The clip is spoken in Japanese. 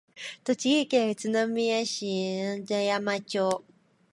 栃木県宇都宮市鐺山町